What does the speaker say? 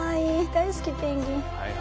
大好きペンギン！